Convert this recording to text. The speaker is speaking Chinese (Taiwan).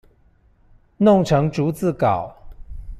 弄成逐字稿